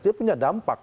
dia punya dampak